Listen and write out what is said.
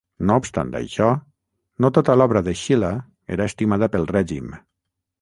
No obstant això, no tota l'obra de Schiller era estimada pel règim.